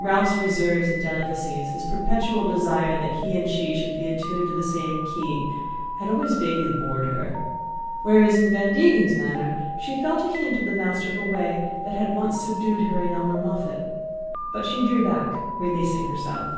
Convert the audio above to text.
Ralph's reserves and delicacies, his perpetual desire that he and she should be attuned to the same key, had always vaguely bored her; whereas in Van Degen's manner she felt a hint of the masterful way that had once subdued her in Elmer Moffatt. But she drew back, releasing herself.